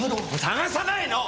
捜さないの！